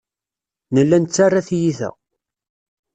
Nella nettarra tiyita.